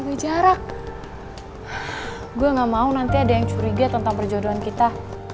bicara gue gak mau nanti ada yang curiga tentang perjodohan kita